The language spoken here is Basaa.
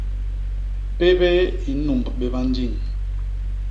Pépéé i nnumb béba jiñ.